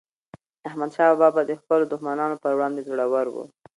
احمدشاه بابا به د خپلو دښمنانو پر وړاندي زړور و.